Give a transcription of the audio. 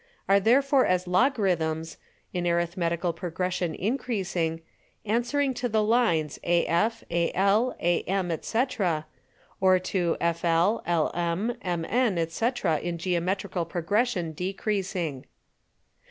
are therefore as Logarithms (in Arithmetical Progression increasing) answering to the Lines AF, AL, AM, &c. or to FL, LM, MN, &c. in Geometrical Progression decreasing.